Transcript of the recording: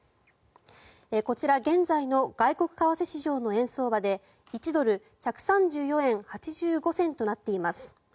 こちら現在の外国為替市場の円相場で１ドル＝１３４円８５銭となっています。